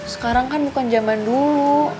sekarang kan bukan zaman dulu